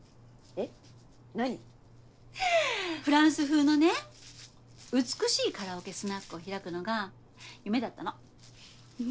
フランス風のね美しいカラオケスナックを開くのが夢だったの。